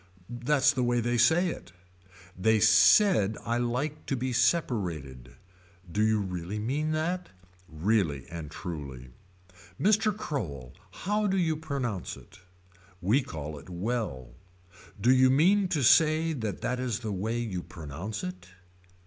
That's the way they say it. They said I like to be separated. Do you really mean that. Really and truly. Mr. Crowell. How do you pronounce it. We call it well. Do you mean to say that that is the way you pronounce it.